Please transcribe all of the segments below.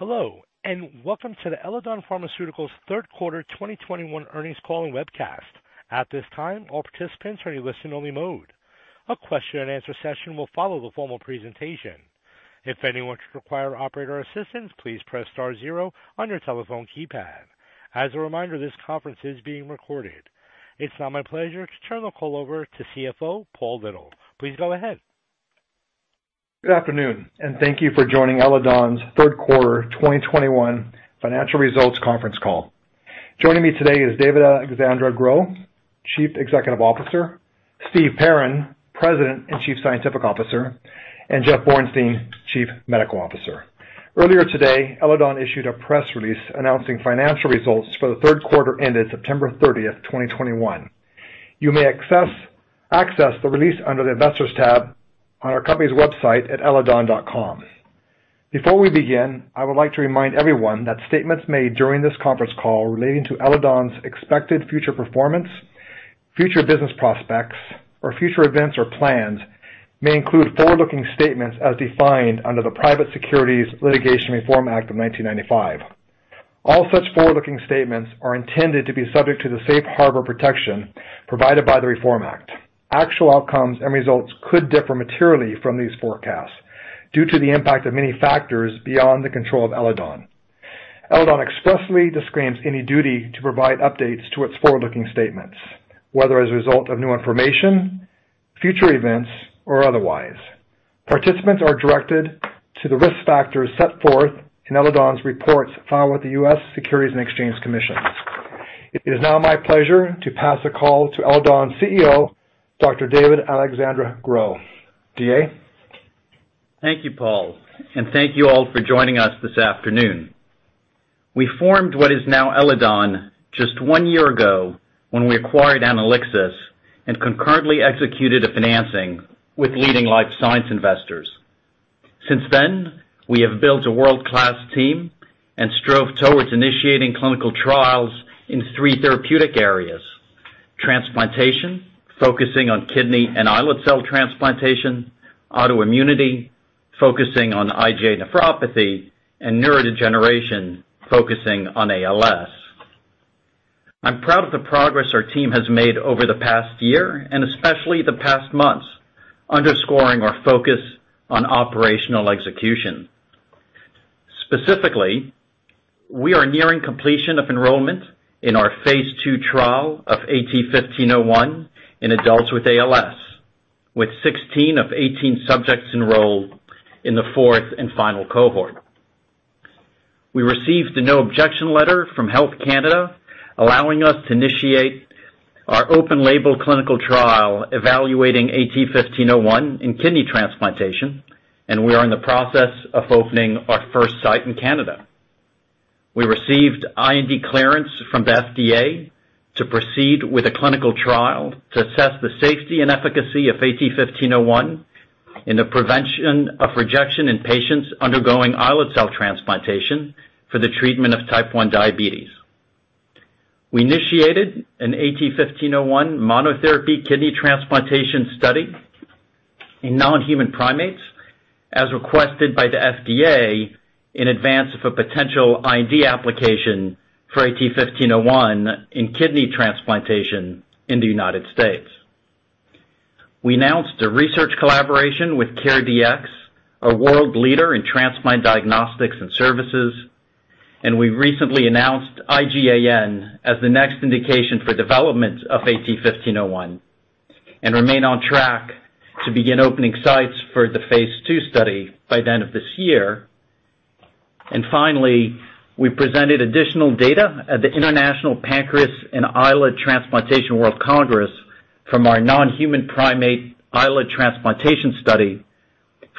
Hello, and welcome to the Eledon Pharmaceuticals third quarter 2021 earnings call and webcast. At this time, all participants are in listen-only mode. A question and answer session will follow the formal presentation. If anyone should require operator assistance, please press star zero on your telephone keypad. As a reminder, this conference is being recorded. It's now my pleasure to turn the call over to CFO Paul Little. Please go ahead. Good afternoon, and thank you for joining Eledon's third quarter 2021 financial results conference call. Joining me today is David-Alexandre Gros, Chief Executive Officer, Steven Perrin, President and Chief Scientific Officer, and Jeff Bornstein, Chief Medical Officer. Earlier today, Eledon issued a press release announcing financial results for the third quarter ended September 30th, 2021. You may access the release under the Investors tab on our company's website at eledon.com. Before we begin, I would like to remind everyone that statements made during this conference call relating to Eledon's expected future performance, future business prospects, or future events or plans may include forward-looking statements as defined under the Private Securities Litigation Reform Act of 1995. All such forward-looking statements are intended to be subject to the safe harbor protection provided by the Reform Act. Actual outcomes and results could differ materially from these forecasts due to the impact of many factors beyond the control of Eledon. Eledon expressly disclaims any duty to provide updates to its forward-looking statements, whether as a result of new information, future events, or otherwise. Participants are directed to the risk factors set forth in Eledon's reports filed with the U.S. Securities and Exchange Commission. It is now my pleasure to pass the call to Eledon's CEO, Dr. David-Alexandre Gros. DA? Thank you, Paul, and thank you all for joining us this afternoon. We formed what is now Eledon just one year ago when we acquired Anelixis and concurrently executed a financing with leading life science investors. Since then, we have built a world-class team and strove towards initiating clinical trials in three therapeutic areas: transplantation, focusing on kidney and islet cell transplantation, autoimmunity, focusing on IgA nephropathy, and neurodegeneration, focusing on ALS. I'm proud of the progress our team has made over the past year and especially the past months, underscoring our focus on operational execution. Specifically, we are nearing completion of enrollment in our phase II trial of AT-1501 in adults with ALS, with 16 of 18 subjects enrolled in the fourth and final cohort. We received a no objection letter from Health Canada allowing us to initiate our open label clinical trial evaluating AT-1501 in kidney transplantation, and we are in the process of opening our first site in Canada. We received IND clearance from the FDA to proceed with a clinical trial to assess the safety and efficacy of AT-1501 in the prevention of rejection in patients undergoing islet cell transplantation for the treatment of Type 1 diabetes. We initiated an AT-1501 monotherapy kidney transplantation study in non-human primates as requested by the FDA in advance of a potential IND application for AT-1501 in kidney transplantation in the United States. We announced a research collaboration with CareDx, a world leader in transplant diagnostics and services, and we recently announced IgAN as the next indication for development of AT-1501, and remain on track to begin opening sites for the phase II study by the end of this year. Finally, we presented additional data at the International Pancreas and Islet Transplant Association World Congress from our non-human primate islet transplantation study,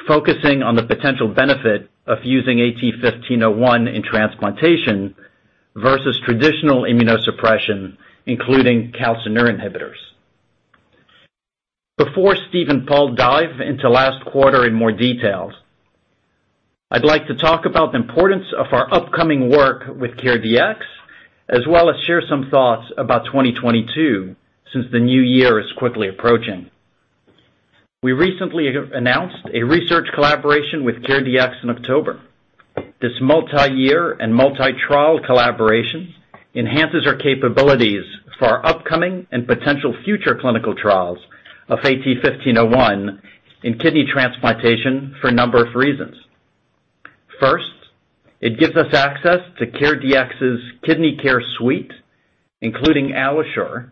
focusing on the potential benefit of using AT-1501 in transplantation versus traditional immunosuppression, including calcineurin inhibitors. Before Steve and Paul dive into last quarter in more detail, I'd like to talk about the importance of our upcoming work with CareDx, as well as share some thoughts about 2022 since the new year is quickly approaching. We recently announced a research collaboration with CareDx in October. This multi-year and multi-trial collaboration enhances our capabilities for our upcoming and potential future clinical trials of AT-1501 in kidney transplantation for a number of reasons. First, it gives us access to CareDx's Kidney Care Suite, including AlloSure,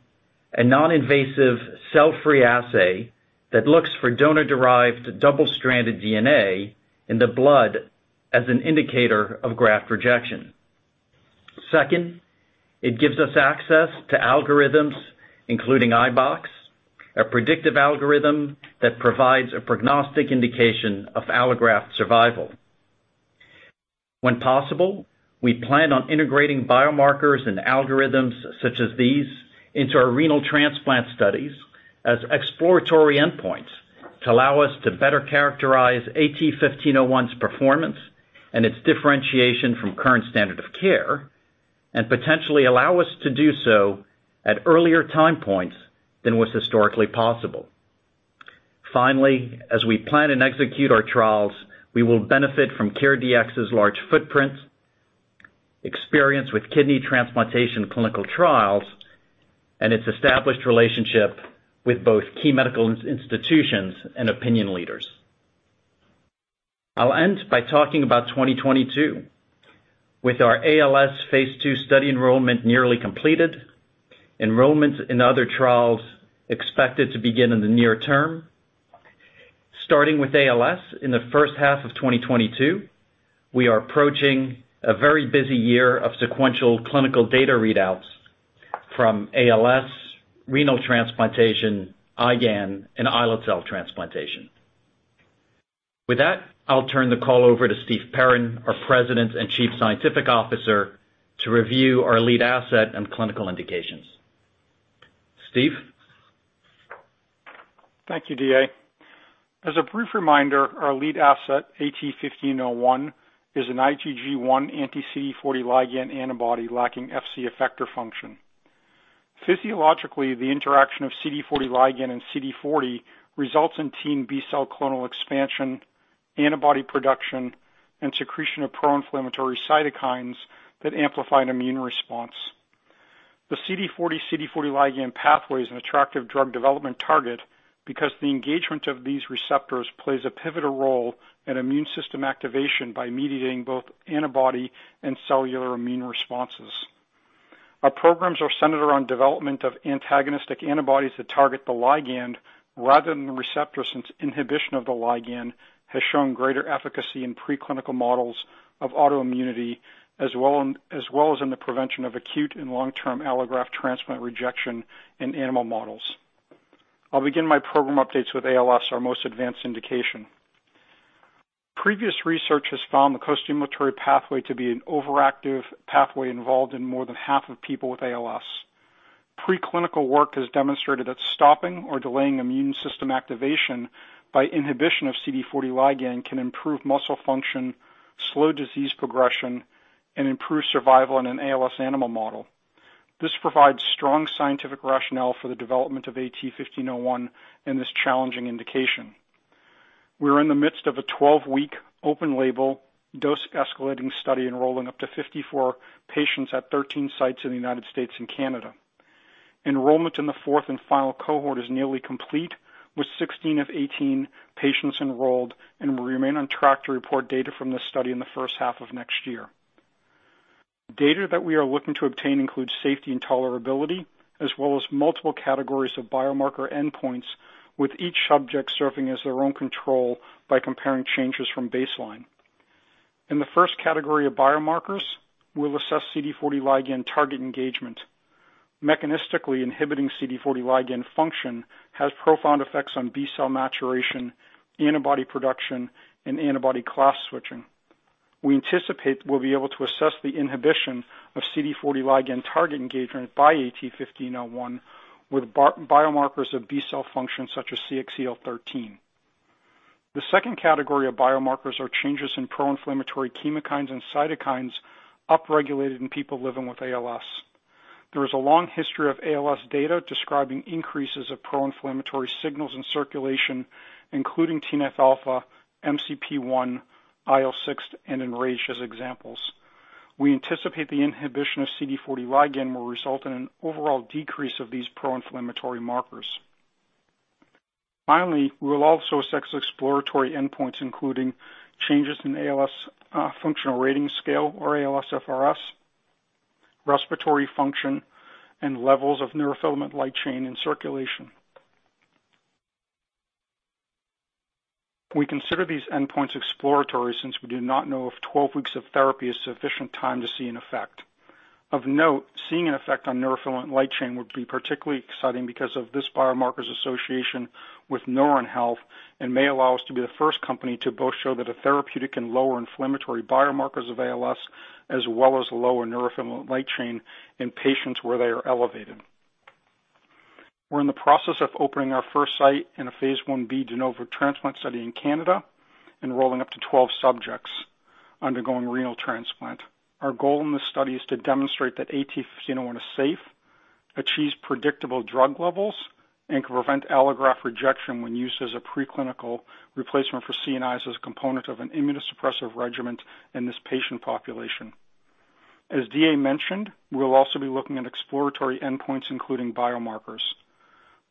a non-invasive cell-free assay that looks for donor-derived double-stranded DNA in the blood as an indicator of graft rejection. Second, it gives us access to algorithms including iBox, a predictive algorithm that provides a prognostic indication of allograft survival. When possible, we plan on integrating biomarkers and algorithms such as these into our renal transplant studies as exploratory endpoints to allow us to better characterize AT-fifteen oh one's performance and its differentiation from current standard of care, and potentially allow us to do so at earlier time points than was historically possible. Finally, as we plan and execute our trials, we will benefit from CareDx's large footprint, experience with kidney transplantation clinical trials, and its established relationship with both key medical institutions and opinion leaders. I'll end by talking about 2022. With our ALS phase II study enrollment nearly completed, enrollment in other trials is expected to begin in the near term. Starting with ALS in the first half of 2022, we are approaching a very busy year of sequential clinical data readouts from ALS, renal transplantation, IgAN, and islet cell transplantation. With that, I'll turn the call over to Steve Perrin, our President and Chief Scientific Officer, to review our lead asset and clinical indications. Steve? Thank you, D.A. As a brief reminder, our lead asset, AT-1501, is an IgG1 anti-CD40 ligand antibody lacking Fc effector function. Physiologically, the interaction of CD40 ligand and CD40 results in T and B-cell clonal expansion, antibody production, and secretion of pro-inflammatory cytokines that amplify an immune response. The CD40/CD40 ligand pathway is an attractive drug development target because the engagement of these receptors plays a pivotal role in immune system activation by mediating both antibody and cellular immune responses. Our programs are centered around development of antagonistic antibodies that target the ligand rather than the receptor, since inhibition of the ligand has shown greater efficacy in preclinical models of autoimmunity, as well as in the prevention of acute and long-term allograft transplant rejection in animal models. I'll begin my program updates with ALS, our most advanced indication. Previous research has found the costimulatory pathway to be an overactive pathway involved in more than half of people with ALS. Preclinical work has demonstrated that stopping or delaying immune system activation by inhibition of CD40 ligand can improve muscle function, slow disease progression, and improve survival in an ALS animal model. This provides strong scientific rationale for the development of AT-1501 in this challenging indication. We are in the midst of a 12-week open-label dose-escalating study, enrolling up to 54 patients at 13 sites in the United States and Canada. Enrollment in the fourth and final cohort is nearly complete, with 16 of 18 patients enrolled, and we remain on track to report data from this study in the first half of next year. Data that we are looking to obtain includes safety and tolerability, as well as multiple categories of biomarker endpoints, with each subject serving as their own control by comparing changes from baseline. In the first category of biomarkers, we'll assess CD40 ligand target engagement. Mechanistically inhibiting CD40 ligand function has profound effects on B-cell maturation, antibody production, and antibody class switching. We anticipate we'll be able to assess the inhibition of CD40 ligand target engagement by AT-1501 with biomarkers of B-cell function such as CXCL13. The second category of biomarkers are changes in pro-inflammatory chemokines and cytokines upregulated in people living with ALS. There is a long history of ALS data describing increases of pro-inflammatory signals in circulation, including TNF-alpha, MCP-1, IL-6, and EN-RAGE as examples. We anticipate the inhibition of CD40 ligand will result in an overall decrease of these pro-inflammatory markers. Finally, we will also assess exploratory endpoints, including changes in ALS, functional rating scale, or ALSFRS, respiratory function, and levels of neurofilament light chain in circulation. We consider these endpoints exploratory since we do not know if 12 weeks of therapy is sufficient time to see an effect. Of note, seeing an effect on neurofilament light chain would be particularly exciting because of this biomarker's association with neuron health and may allow us to be the first company to both show that a therapeutic can lower inflammatory biomarkers of ALS, as well as lower neurofilament light chain in patients where they are elevated. We're in the process of opening our first site in a phase I-B de novo transplant study in Canada, enrolling up to 12 subjects undergoing renal transplant. Our goal in this study is to demonstrate that AT-1501 is safe, achieves predictable drug levels, and can prevent allograft rejection when used as a preclinical replacement for CNIs as a component of an immunosuppressive regimen in this patient population. As D.A. mentioned, we'll also be looking at exploratory endpoints, including biomarkers.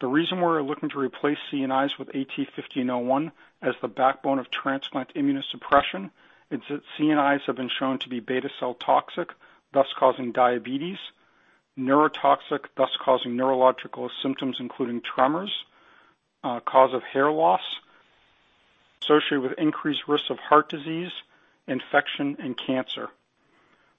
The reason we're looking to replace CNIs with AT-1501 as the backbone of transplant immunosuppression is that CNIs have been shown to be beta cell toxic, thus causing diabetes, neurotoxic, thus causing neurological symptoms, including tremors, cause of hair loss, associated with increased risk of heart disease, infection, and cancer.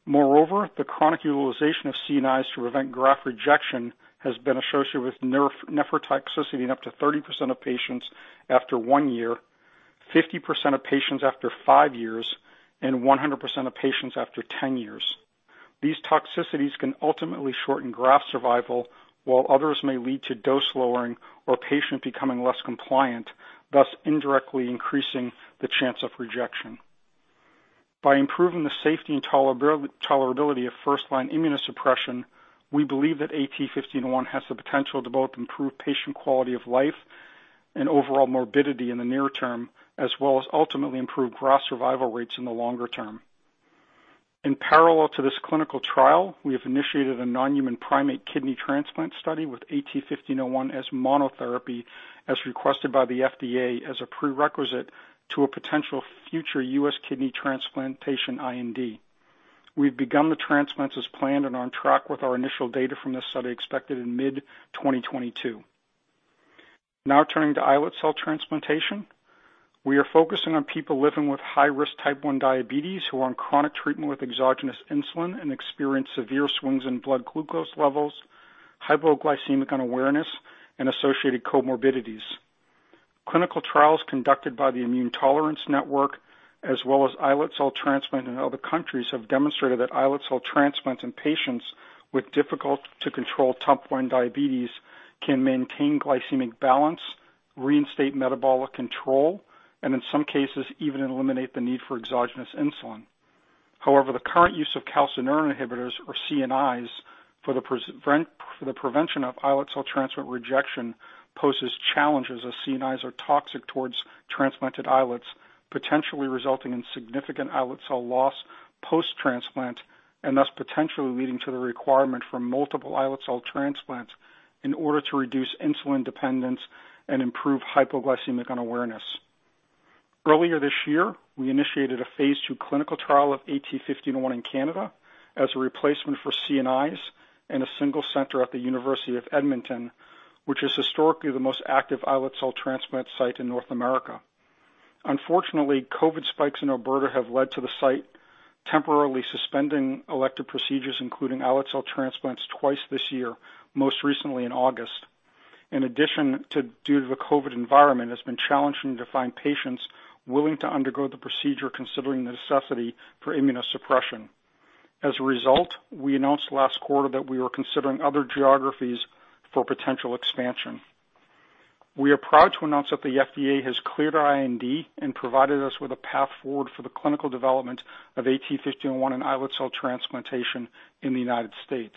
Moreover, the chronic utilization of CNIs to prevent graft rejection has been associated with nephrotoxicity in up to 30% of patients after one year, 50% of patients after five years, and 100% of patients after 10 years. These toxicities can ultimately shorten graft survival, while others may lead to dose lowering or patient becoming less compliant, thus indirectly increasing the chance of rejection. By improving the safety and tolerability of first-line immunosuppression, we believe that AT-1501 has the potential to both improve patient quality of life and overall morbidity in the near term, as well as ultimately improve graft survival rates in the longer term. In parallel to this clinical trial, we have initiated a non-human primate kidney transplant study with AT-1501 as monotherapy, as requested by the FDA as a prerequisite to a potential future U.S. kidney transplantation IND. We've begun the transplants as planned and on track with our initial data from this study expected in mid-2022. Now turning to islet cell transplantation. We are focusing on people living with high-risk Type 1 diabetes who are on chronic treatment with exogenous insulin and experience severe swings in blood glucose levels, hypoglycemic unawareness, and associated comorbidities. Clinical trials conducted by the Immune Tolerance Network, as well as islet cell transplant in other countries, have demonstrated that islet cell transplants in patients with difficult-to-control Type 1 diabetes can maintain glycemic balance, reinstate metabolic control, and in some cases, even eliminate the need for exogenous insulin. However, the current use of calcineurin inhibitors, or CNIs, for the prevention of islet cell transplant rejection poses challenges as CNIs are toxic towards transplanted islets, potentially resulting in significant islet cell loss post-transplant, and thus potentially leading to the requirement for multiple islet cell transplants in order to reduce insulin dependence and improve hypoglycemic unawareness. Earlier this year, we initiated a phase II clinical trial of AT-1501 in Canada as a replacement for CNIs in a single center at the University of Alberta in Edmonton, which is historically the most active islet cell transplant site in North America. Unfortunately, COVID spikes in Alberta have led to the site temporarily suspending elective procedures, including islet cell transplants twice this year, most recently in August. In addition, due to the COVID environment, it's been challenging to find patients willing to undergo the procedure considering the necessity for immunosuppression. As a result, we announced last quarter that we were considering other geographies for potential expansion. We are proud to announce that the FDA has cleared our IND and provided us with a path forward for the clinical development of AT-1501 in islet cell transplantation in the United States.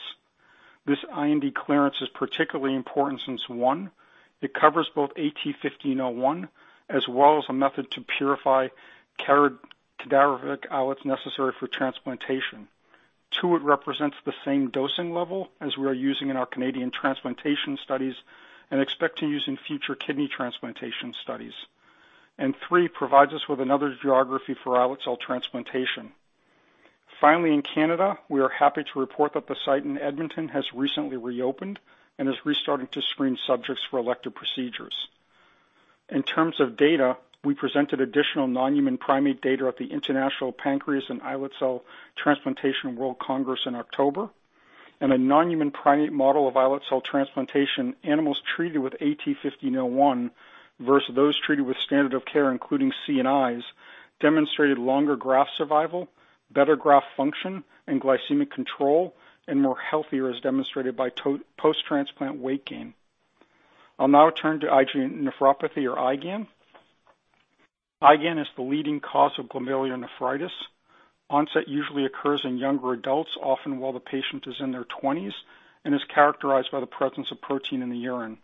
This IND clearance is particularly important since, one, it covers both AT-1501 as well as a method to purify cadaveric islets necessary for transplantation. Two, it represents the same dosing level as we are using in our Canadian transplantation studies and expect to use in future kidney transplantation studies. Three, provides us with another geography for islet cell transplantation. Finally, in Canada, we are happy to report that the site in Edmonton has recently reopened and is restarting to screen subjects for elective procedures. In terms of data, we presented additional non-human primate data at the International Pancreas and Islet Transplant Association World Congress in October. In a non-human primate model of islet cell transplantation, animals treated with AT-1501 versus those treated with standard of care, including CNIs, demonstrated longer graft survival, better graft function and glycemic control, and healthier, as demonstrated by post-transplant weight gain. I'll now turn to IgA nephropathy or IgAN. IgAN is the leading cause of glomerulonephritis. Onset usually occurs in younger adults, often while the patient is in their twenties, and is characterized by the presence of protein in the urine.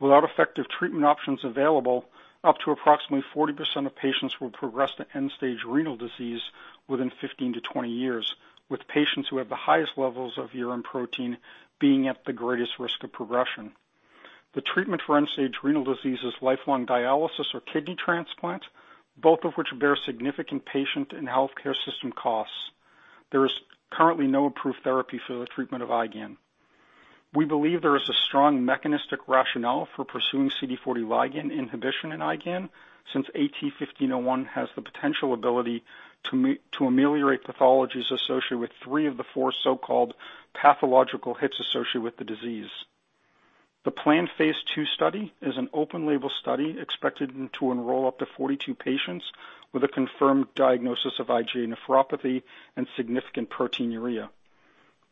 Without effective treatment options available, up to approximately 40% of patients will progress to end-stage renal disease within 15-20 years, with patients who have the highest levels of urine protein being at the greatest risk of progression. The treatment for end-stage renal disease is lifelong dialysis or kidney transplant, both of which bear significant patient and healthcare system costs. There is currently no approved therapy for the treatment of IgAN. We believe there is a strong mechanistic rationale for pursuing CD40 ligand inhibition in IgAN, since AT-1501 has the potential ability to ameliorate pathologies associated with three of the four so-called pathological hits associated with the disease. The planned phase II study is an open label study expected to enroll up to 42 patients with a confirmed diagnosis of IgA nephropathy and significant proteinuria.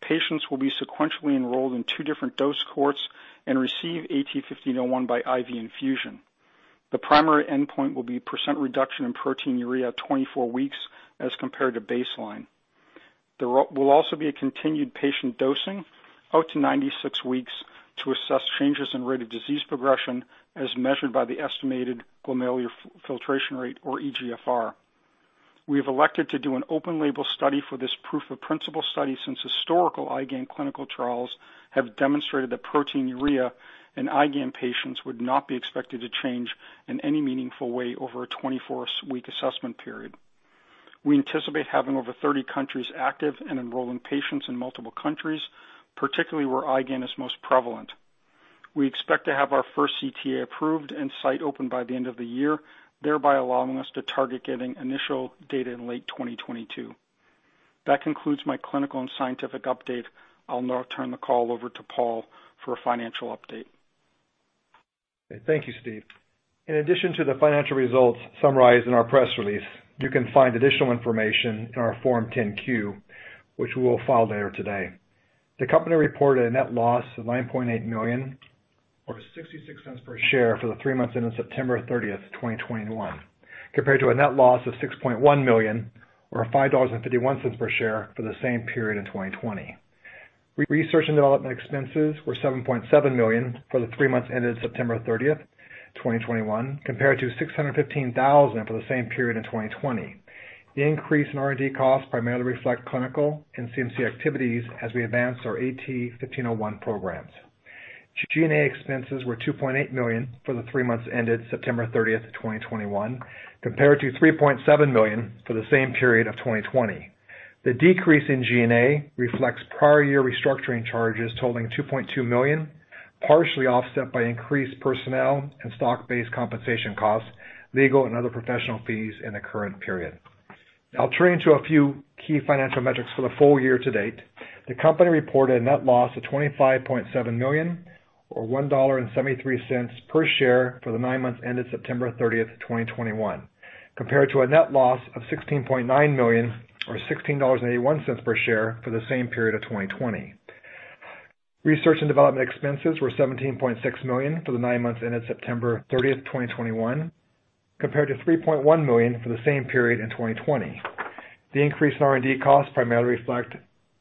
Patients will be sequentially enrolled in two different dose cohorts and receive AT-1501 by IV infusion. The primary endpoint will be % reduction in proteinuria at 24 weeks as compared to baseline. There will also be a continued patient dosing out to 96 weeks to assess changes in rate of disease progression as measured by the estimated glomerular filtration rate or eGFR. We have elected to do an open-label study for this proof-of-principle study since historical IgAN clinical trials have demonstrated that proteinuria in IgAN patients would not be expected to change in any meaningful way over a 24-week assessment period. We anticipate having over 30 countries active and enrolling patients in multiple countries, particularly where IgAN is most prevalent. We expect to have our first CTA approved and site open by the end of the year, thereby allowing us to target getting initial data in late 2022. That concludes my clinical and scientific update. I'll now turn the call over to Paul for a financial update. Thank you, Steve. In addition to the financial results summarized in our press release, you can find additional information in our Form 10-Q, which we will file later today. The company reported a net loss of $9.8 million or $0.66 per share for the three months ended September 30th, 2021, compared to a net loss of $6.1 million or $5.51 per share for the same period in 2020. Research and development expenses were $7.7 million for the three months ended September 30th, 2021, compared to $615,000 for the same period in 2020. The increase in R&D costs primarily reflect clinical and CMC activities as we advance our AT-1501 programs. G&A expenses were $2.8 million for the three months ended September 30th, 2021, compared to $3.7 million for the same period of 2020. The decrease in G&A reflects prior year restructuring charges totaling $2.2 million, partially offset by increased personnel and stock-based compensation costs, legal and other professional fees in the current period. I'll turn to a few key financial metrics for the full year to date. The company reported a net loss of $25.7 million or $1.73 per share for the nine months ended September 30th, 2021, compared to a net loss of $16.9 million or $16.81 per share for the same period of 2020. Research and development expenses were $17.6 million for the nine months ended September 30th, 2021, compared to $3.1 million for the same period in 2020. The increase in R&D costs primarily reflect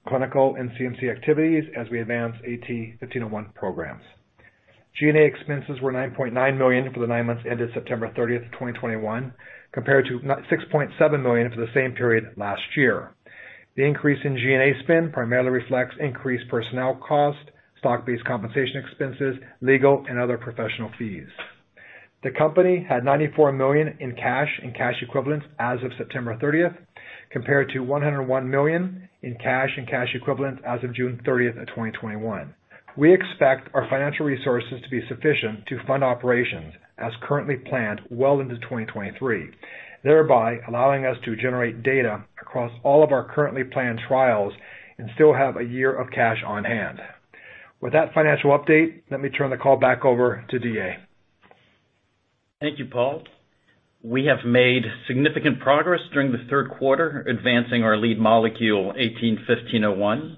clinical and CMC activities as we advance AT-1501 programs. G&A expenses were $9.9 million for the nine months ended September 30th, 2021, compared to $9.7 million for the same period last year. The increase in G&A spend primarily reflects increased personnel costs, stock-based compensation expenses, legal and other professional fees. The company had $94 million in cash and cash equivalents as of September 30th, compared to $101 million in cash and cash equivalents as of June 30th, 2021. We expect our financial resources to be sufficient to fund operations as currently planned well into 2023, thereby allowing us to generate data across all of our currently planned trials and still have a year of cash on hand. With that financial update, let me turn the call back over to DA. Thank you, Paul. We have made significant progress during the third quarter, advancing our lead molecule AT-1501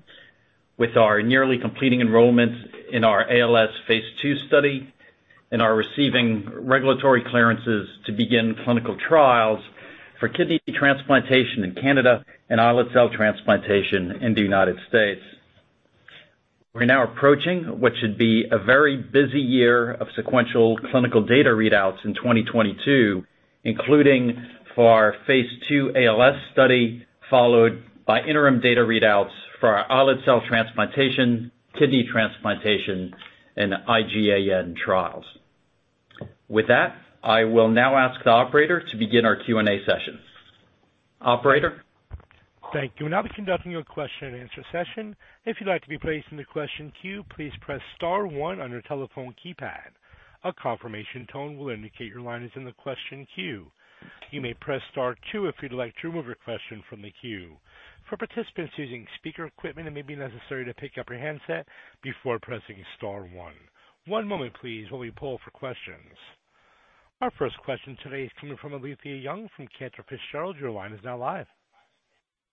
with our nearly completing enrollments in our ALS phase II study and are receiving regulatory clearances to begin clinical trials for kidney transplantation in Canada and islet cell transplantation in the United States. We're now approaching what should be a very busy year of sequential clinical data readouts in 2022, including for our phase II ALS study, followed by interim data readouts for our islet cell transplantation, kidney transplantation, and the IgAN trials. With that, I will now ask the operator to begin our Q&A session. Operator? Thank you. We'll now be conducting your question and answer session. If you'd like to be placed in the question queue, please press star one on your telephone keypad. A confirmation tone will indicate your line is in the question queue. You may press star two if you'd like to remove your question from the queue. For participants using speaker equipment, it may be necessary to pick up your handset before pressing star one. One moment please while we poll for questions. Our first question today is coming from Alethia Young from Cantor Fitzgerald. Your line is now live.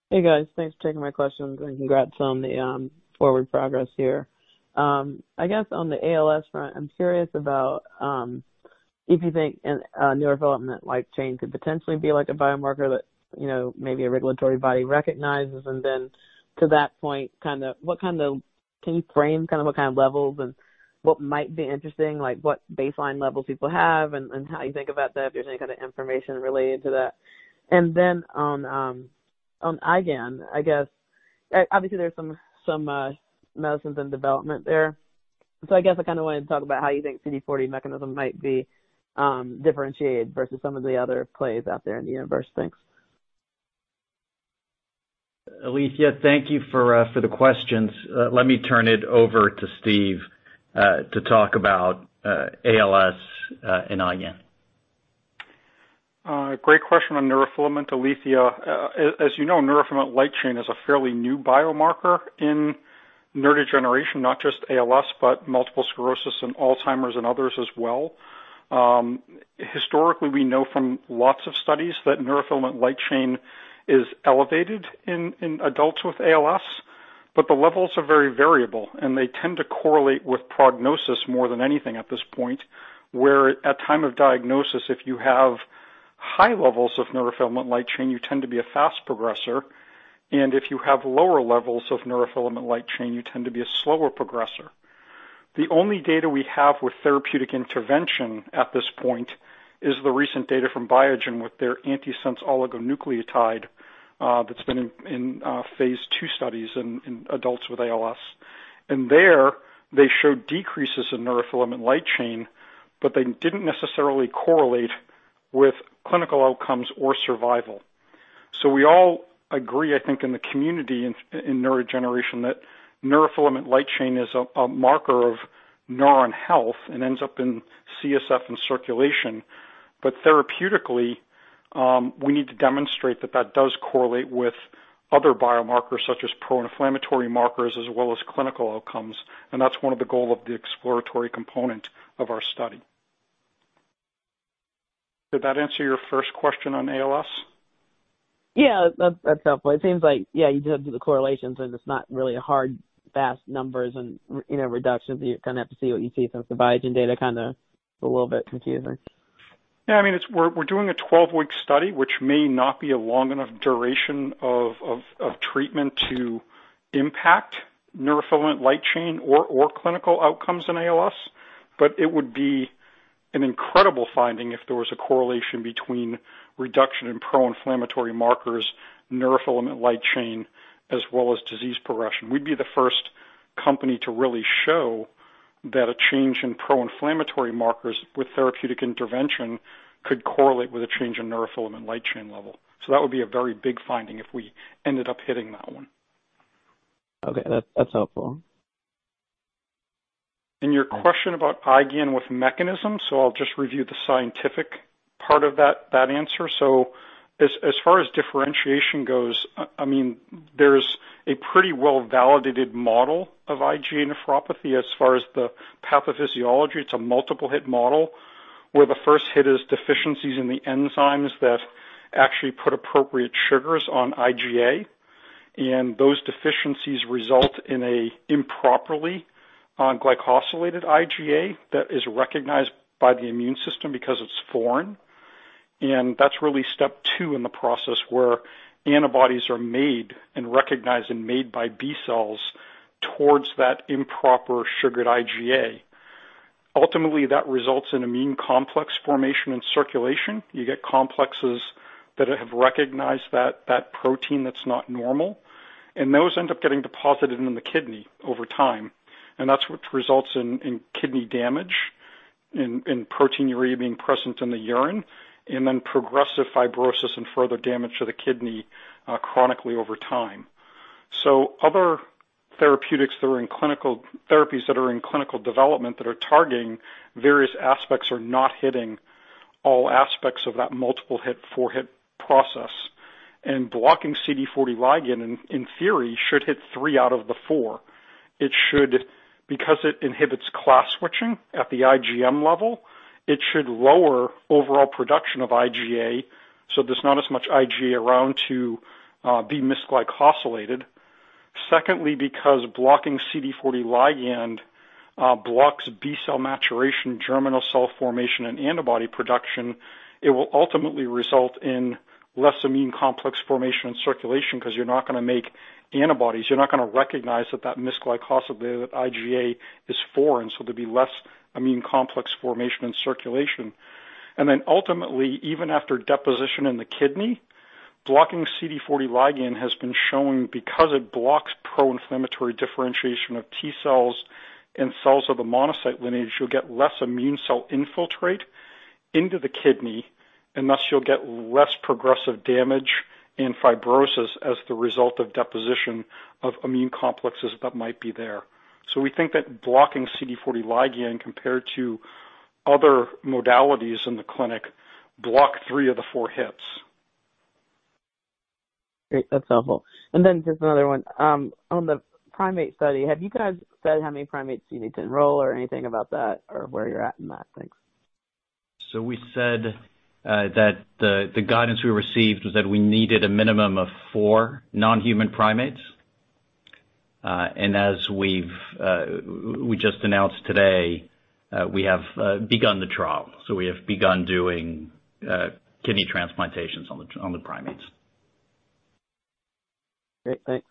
Hey, guys, thanks for taking my questions and congrats on the forward progress here. I guess on the ALS front, I'm curious about if you think a neurofilament light chain could potentially be like a biomarker that, you know, maybe a regulatory body recognizes. To that point, kinda, can you frame kind of what kind of levels and what might be interesting, like what baseline levels people have and how you think about that, if there's any kind of information related to that? On IgAN, I guess, obviously there's some medicines in development there. I guess I kinda wanted to talk about how you think CD40 mechanism might be differentiated versus some of the other plays out there in the universe. Thanks. Alethea, thank you for the questions. Let me turn it over to Steve to talk about ALS and IgAN. Great question on neurofilament, Alethea. As you know, neurofilament light chain is a fairly new biomarker in neurodegeneration, not just ALS, but multiple sclerosis and Alzheimer's and others as well. Historically, we know from lots of studies that neurofilament light chain is elevated in adults with ALS, but the levels are very variable, and they tend to correlate with prognosis more than anything at this point, where at time of diagnosis, if you have high levels of neurofilament light chain, you tend to be a fast progressor, and if you have lower levels of neurofilament light chain, you tend to be a slower progressor. The only data we have with therapeutic intervention at this point is the recent data from Biogen with their antisense oligonucleotide that's been in phase II studies in adults with ALS. There, they showed decreases in neurofilament light chain, but they didn't necessarily correlate with clinical outcomes or survival. We all agree, I think, in the community in neurodegeneration, that neurofilament light chain is a marker of neuron health and ends up in CSF and circulation. Therapeutically, we need to demonstrate that does correlate with other biomarkers, such as pro-inflammatory markers as well as clinical outcomes, and that's one of the goal of the exploratory component of our study. Did that answer your first question on ALS? Yeah. That's helpful. It seems like, yeah, you just have to do the correlations, and it's not really hard and fast numbers and, you know, reductions. You kinda have to see what you see since the Biogen data kinda is a little bit confusing. Yeah, I mean, we're doing a 12-week study, which may not be a long enough duration of treatment to impact neurofilament light chain or clinical outcomes in ALS, but it would be an incredible finding if there was a correlation between reduction in proinflammatory markers, neurofilament light chain, as well as disease progression. We'd be the first company to really show that a change in proinflammatory markers with therapeutic intervention could correlate with a change in neurofilament light chain level. That would be a very big finding if we ended up hitting that one. Okay. That's helpful. Your question about IgAN with mechanism, I'll just review the scientific part of that answer. As far as differentiation goes, I mean, there's a pretty well-validated model of IgA nephropathy. As far as the pathophysiology, it's a multiple hit model, where the first hit is deficiencies in the enzymes that actually put appropriate sugars on IgA, and those deficiencies result in a improperly glycosylated IgA that is recognized by the immune system because it's foreign. That's really step two in the process, where antibodies are made and recognized and made by B-cells towards that improper sugared IgA. Ultimately, that results in immune complex formation and circulation. You get complexes that have recognized that protein that's not normal, and those end up getting deposited in the kidney over time. That's what results in kidney damage, proteinuria being present in the urine, and then progressive fibrosis and further damage to the kidney chronically over time. Other therapies that are in clinical development that are targeting various aspects are not hitting all aspects of that multiple hit, four-hit process. Blocking CD40 ligand, in theory, should hit three out of the four. Because it inhibits class switching at the IgM level, it should lower overall production of IgA, so there's not as much IgA around to be misglycosylated. Secondly, because blocking CD40 ligand blocks B-cell maturation, germinal center formation and antibody production, it will ultimately result in less immune complex formation and circulation 'cause you're not gonna make antibodies. You're not gonna recognize that misglycosylated IgA is foreign, so there'd be less immune complex formation and circulation. Then ultimately, even after deposition in the kidney, blocking CD40 ligand has been shown because it blocks proinflammatory differentiation of T cells and cells of the monocyte lineage, you'll get less immune cell infiltrate into the kidney, and thus you'll get less progressive damage and fibrosis as the result of deposition of immune complexes that might be there. We think that blocking CD40 ligand compared to other modalities in the clinic block three of the four hits. Great. That's helpful. Just another one. On the primate study, have you guys said how many primates you need to enroll or anything about that or where you're at in that? Thanks. We said that the guidance we received was that we needed a minimum of four non-human primates. As we've just announced today, we have begun the trial. We have begun doing kidney transplantations on the primates. Great. Thanks.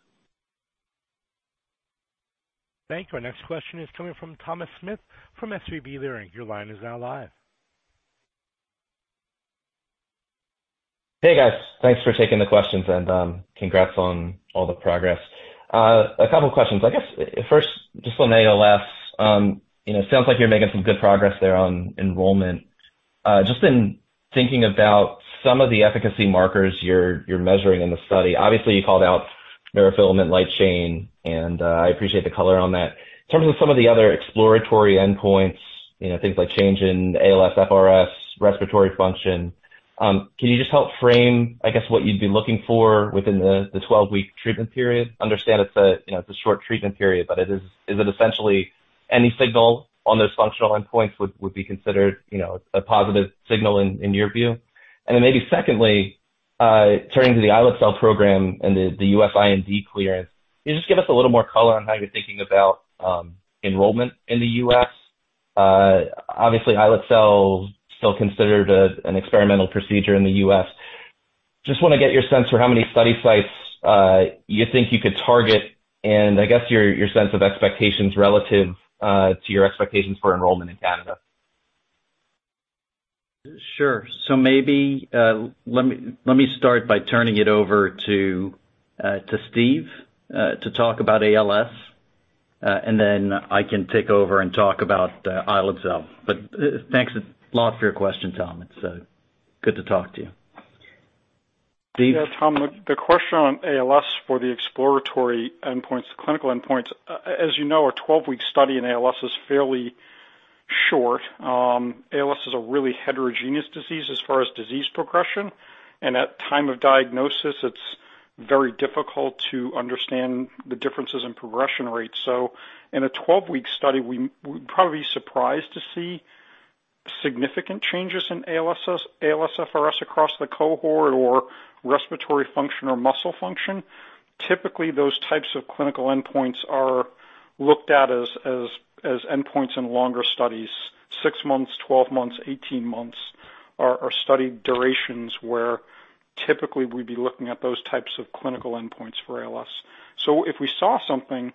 Thank you. Our next question is coming from Thomas Smith from SVB Leerink. Your line is now live. Hey, guys. Thanks for taking the questions and congrats on all the progress. A couple questions. I guess first, just on ALS, you know, sounds like you're making some good progress there on enrollment. Just in thinking about some of the efficacy markers you're measuring in the study, obviously you called out neurofilament light chain, and I appreciate the color on that. In terms of some of the other exploratory endpoints, you know, things like change in ALS FRS, respiratory function, can you just help frame, I guess, what you'd be looking for within the twelve-week treatment period? Understand it's a, you know, it's a short treatment period, but it is. Is it essentially any signal on those functional endpoints would be considered, you know, a positive signal in your view? Maybe secondly, turning to the islet cell program and the U.S. IND clearance, can you just give us a little more color on how you're thinking about enrollment in the U.S.? Obviously islet cell is still considered an experimental procedure in the U.S. Just want to get your sense for how many study sites you think you could target and I guess your sense of expectations relative to your expectations for enrollment in Canada. Sure. Maybe let me start by turning it over to Steve to talk about ALS and then I can take over and talk about islet cell. Thanks a lot for your question, Tom. It's good to talk to you. Steve? Yeah. Tom, the question on ALS for the exploratory endpoints, the clinical endpoints, as you know, a 12-week study in ALS is fairly short. ALS is a really heterogeneous disease as far as disease progression, and at time of diagnosis, it's very difficult to understand the differences in progression rates. In a 12-week study, we'd probably be surprised to see significant changes in ALSFRS across the cohort or respiratory function or muscle function. Typically, those types of clinical endpoints are looked at as endpoints in longer studies. Six months, 12 months, 18 months are study durations where typically we'd be looking at those types of clinical endpoints for ALS. If we saw something,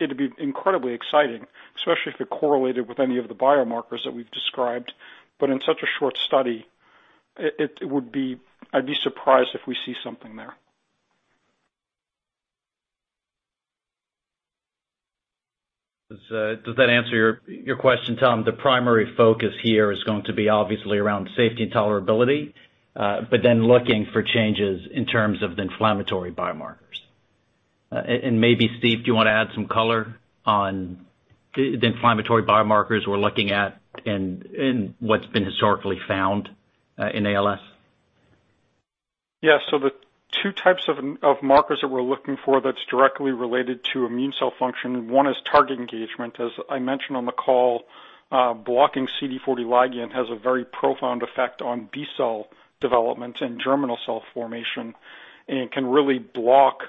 it'd be incredibly exciting, especially if it correlated with any of the biomarkers that we've described. In such a short study, it would be. I'd be surprised if we see something there. Does that answer your question, Tom? The primary focus here is going to be obviously around safety and tolerability, but then looking for changes in terms of the inflammatory biomarkers. Maybe Steve, do you wanna add some color on the inflammatory biomarkers we're looking at and what's been historically found in ALS? Yeah. The two types of markers that we're looking for that are directly related to immune cell function, one is target engagement. As I mentioned on the call, blocking CD40 ligand has a very profound effect on B-cell development and germinal cell formation, and it can really block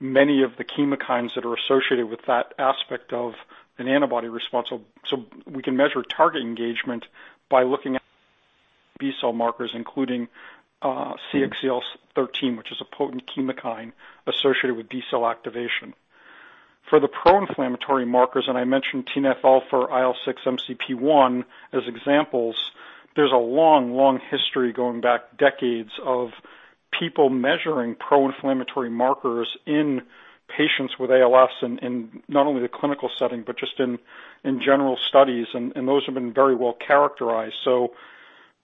many of the chemokines that are associated with that aspect of an antibody response. We can measure target engagement by looking at B-cell markers, including CXCL13, which is a potent chemokine associated with B-cell activation. For the pro-inflammatory markers, I mentioned TNF-alpha, IL-6, MCP-1 as examples, there's a long, long history going back decades of people measuring pro-inflammatory markers in patients with ALS in not only the clinical setting, but just in general studies. Those have been very well characterized.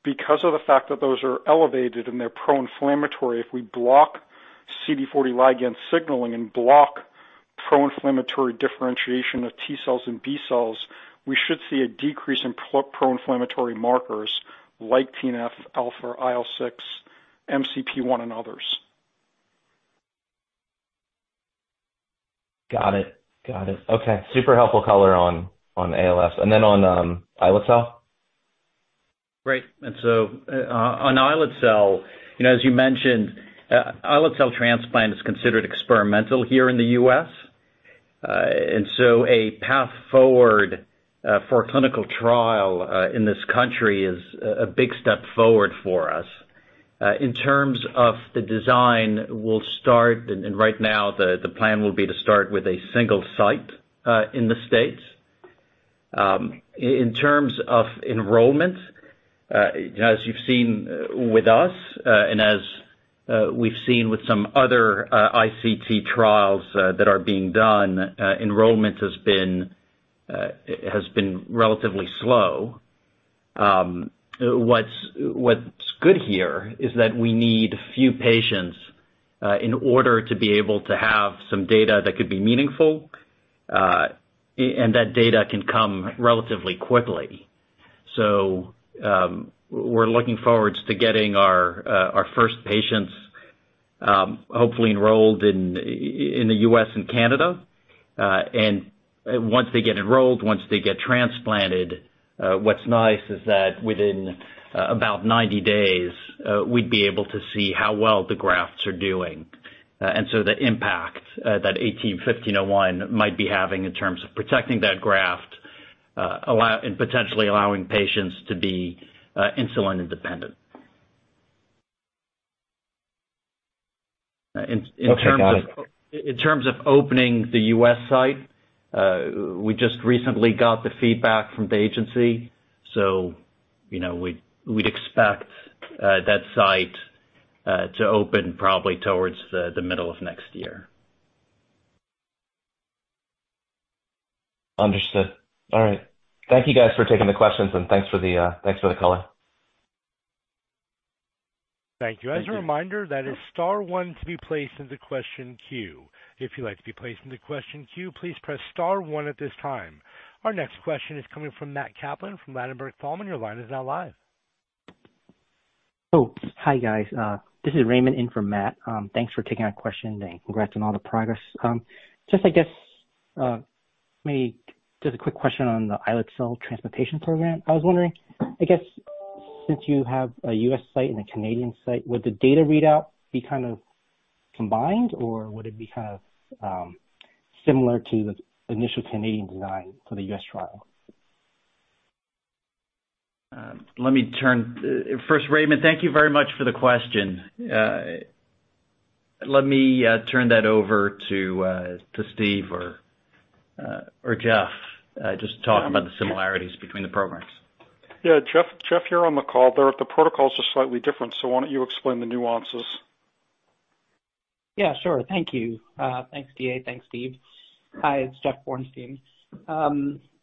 Because of the fact that those are elevated and they're pro-inflammatory, if we block CD40 ligand signaling and block pro-inflammatory differentiation of T-cells and B-cells, we should see a decrease in pro-inflammatory markers like TNF-alpha, IL-6, MCP-1, and others. Got it. Okay. Super helpful color on ALS. On islet cell. Great. On islet cell, you know, as you mentioned, islet cell transplant is considered experimental here in the U.S. A path forward for a clinical trial in this country is a big step forward for us. In terms of the design, we'll start right now, the plan will be to start with a single site in the States. In terms of enrollment, as you've seen with us, and as we've seen with some other ICT trials that are being done, enrollment has been relatively slow. What's good here is that we need few patients in order to be able to have some data that could be meaningful, and that data can come relatively quickly. We're looking forward to getting our first patients, hopefully enrolled in the U.S. and Canada. Once they get enrolled, once they get transplanted, what's nice is that within about 90 days, we'd be able to see how well the grafts are doing, and the impact that AT-1501 might be having in terms of protecting that graft and potentially allowing patients to be insulin independent. Okay, got it. In terms of opening the U.S. site, we just recently got the feedback from the agency, so, you know, we'd expect that site to open probably towards the middle of next year. Understood. All right. Thank you guys for taking the questions and thanks for the color. Thank you. As a reminder, that is star one to be placed into question queue. If you'd like to be placed into question queue, please press star one at this time. Our next question is coming from Matt Kaplan from Ladenburg Thalmann. Your line is now live. Oh, hi, guys. This is Raymond in for Matt. Thanks for taking our question and congrats on all the progress. Just, I guess, maybe just a quick question on the islet cell transplantation program. I was wondering, I guess, since you have a U.S. site and a Canadian site, would the data readout be kind of combined, or would it be kind of similar to the initial Canadian design for the U.S. trial? First, Raymond, thank you very much for the question. Let me turn that over to Steve or Jeff just to talk about the similarities between the programs. Yeah. Jeff here on the call. The protocols are slightly different, so why don't you explain the nuances? Yeah, sure. Thank you. Thanks, DA. Thanks, Steve. Hi, it's Jeff Bornstein.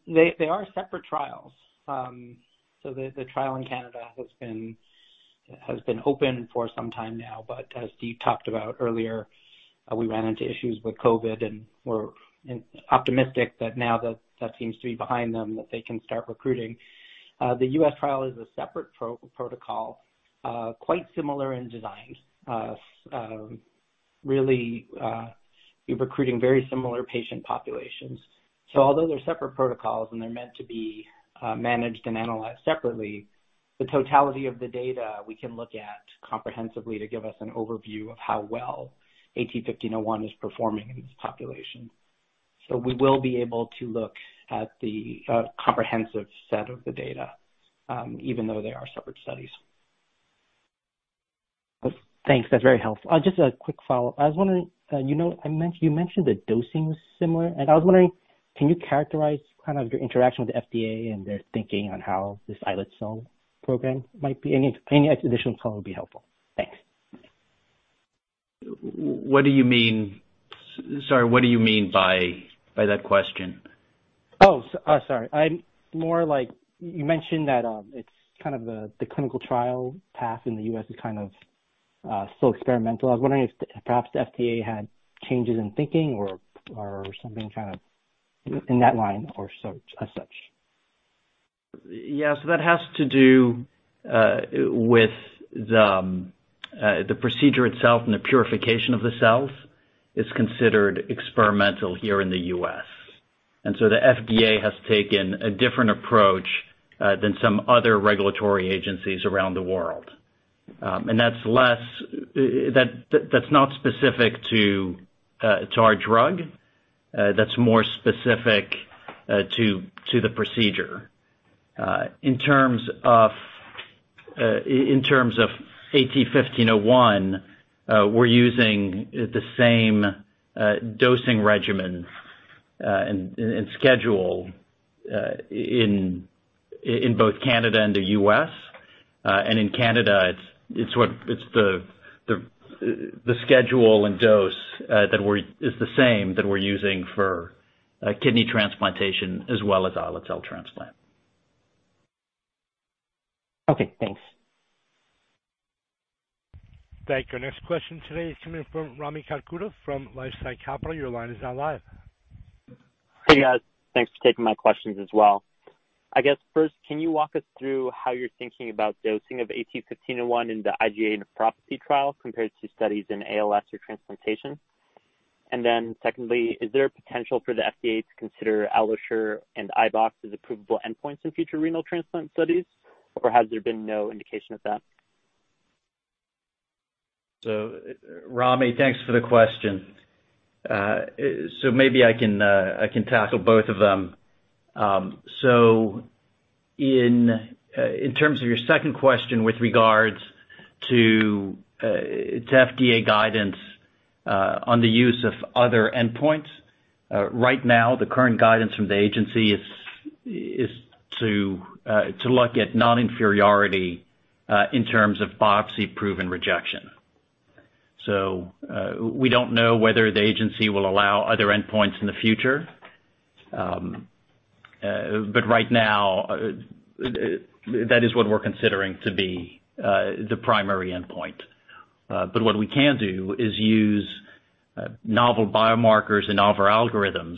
They are separate trials. The trial in Canada has been open for some time now, but as Steve talked about earlier, we ran into issues with COVID, and we're optimistic that now that that seems to be behind them, that they can start recruiting. The U.S. trial is a separate protocol, quite similar in design. Really, we're recruiting very similar patient populations. Although they're separate protocols and they're meant to be managed and analyzed separately, the totality of the data we can look at comprehensively to give us an overview of how well AT-1501 is performing in this population. We will be able to look at the comprehensive set of the data, even though they are separate studies. Thanks. That's very helpful. Just a quick follow-up. I was wondering, you mentioned the dosing was similar, and I was wondering, can you characterize kind of your interaction with the FDA and their thinking on how this islet cell program might be? Any additional color would be helpful. Thanks. What do you mean? Sorry, what do you mean by that question? Oh, sorry. I'm more like you mentioned that, it's kind of the clinical trial path in the U.S. is kind of still experimental. I was wondering if perhaps the FDA had changes in thinking or something kind of in that line or so, as such. Yeah. That has to do with the procedure itself and the purification of the cells. It's considered experimental here in the U.S. The FDA has taken a different approach than some other regulatory agencies around the world. That's not specific to our drug. That's more specific to the procedure. In terms of AT-1501, we're using the same dosing regimen and schedule in both Canada and the U.S. In Canada it's the schedule and dose that is the same that we're using for kidney transplantation as well as islet cell transplant. Okay, thanks. Thank you. Next question today is coming from Rami Katkhuda from LifeSci Capital. Your line is now live. Hey, guys. Thanks for taking my questions as well. I guess first, can you walk us through how you're thinking about dosing of AT-1501 in the IgA nephropathy trial compared to studies in ALS or transplantation? Secondly, is there a potential for the FDA to consider AlloSure and iBox as approvable endpoints in future renal transplant studies, or has there been no indication of that? Rami, thanks for the question. Maybe I can tackle both of them. In terms of your second question with regards to FDA guidance on the use of other endpoints, right now, the current guidance from the agency is to look at non-inferiority in terms of biopsy proven rejection. We don't know whether the agency will allow other endpoints in the future. Right now, that is what we're considering to be the primary endpoint. What we can do is use novel biomarkers and novel algorithms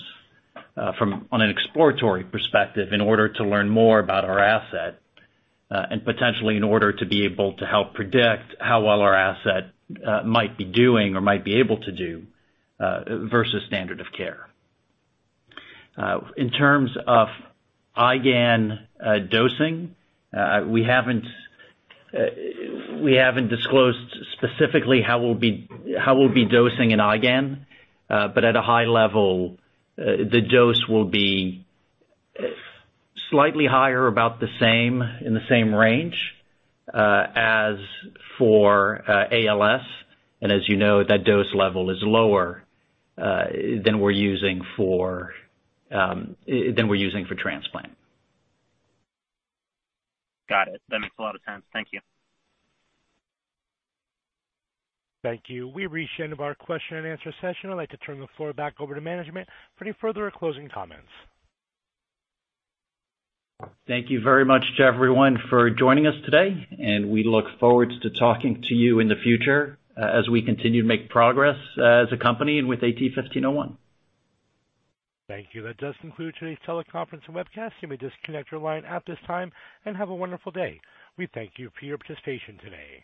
from an exploratory perspective in order to learn more about our asset and potentially in order to be able to help predict how well our asset might be doing or might be able to do versus standard of care. In terms of IgAN dosing, we haven't disclosed specifically how we'll be dosing in IgAN. But at a high level, the dose will be slightly higher, about the same, in the same range as for ALS. As you know, that dose level is lower than we're using for transplant. Got it. That makes a lot of sense. Thank you. Thank you. We've reached the end of our question and answer session. I'd like to turn the floor back over to management for any further closing comments. Thank you very much to everyone for joining us today, and we look forward to talking to you in the future as we continue to make progress as a company and with AT-1501. Thank you. That does conclude today's teleconference and webcast. You may disconnect your line at this time and have a wonderful day. We thank you for your participation today.